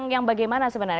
yang bagaimana sebenarnya